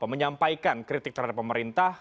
menyampaikan kritik terhadap pemerintah